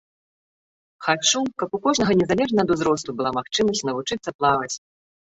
Хачу, каб у кожнага незалежна ад узросту была магчымасць навучыцца плаваць!